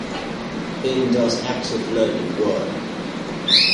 In Does Active Learning Work?